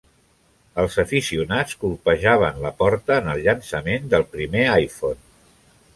Els aficionats colpejaven la porta en el llançament del primer iPhone.